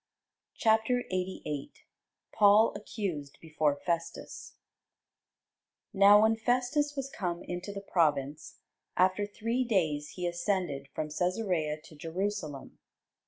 CHAPTER 88 PAUL ACCUSED BEFORE FESTUS Now when Festus was come into the province, after three days he ascended from Cæsarea to Jerusalem.